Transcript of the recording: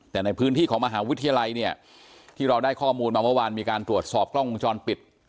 แต่ในพื้นที่ของมหาวิทยาลัยเนี่ยที่เราได้ข้อมูลมาเมื่อวานมีการตรวจสอบกล้องวงจรปิด